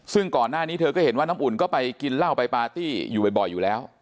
ซึ่งก่อนหน้านี้เธอก็เห็นว่าน้ำอุ่นก็ไปกินเหล้าไปปาร์ตี้อยู่บ่อยอยู่แล้ว